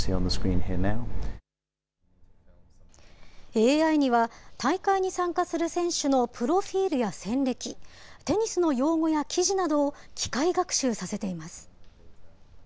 ＡＩには、大会に参加する選手のプロフィールや戦歴、テニスの用語や記事などを機械学習させています。